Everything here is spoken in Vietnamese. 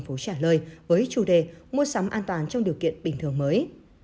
chúng tôi sẽ trả lời với chủ đề mua sắm an toàn trong điều kiện bình thường mới